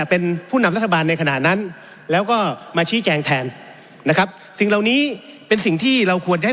เป็นสิทธิท่านชี้แจงได้